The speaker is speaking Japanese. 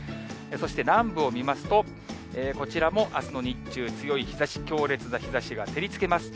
そして南部を見ますと、こちらもあすの日中、強い日ざし、強烈な日ざしが照りつけます。